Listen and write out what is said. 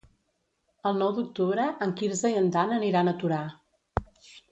El nou d'octubre en Quirze i en Dan aniran a Torà.